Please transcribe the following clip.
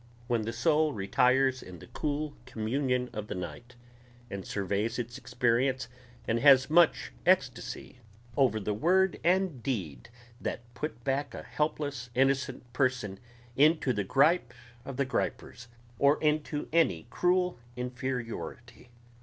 when the soul retires in the cool communion of the night and surveys its experience and has much extasy over the word and deed that put back a helpless innocent person into the gripe of the gripers or into any cruel inferiority